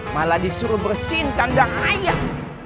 malah disuruh bersihin tanda ayam